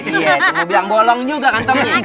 iya cuma bilang bolong juga kan temen